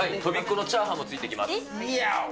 とびこのチャーハンが付いてきます。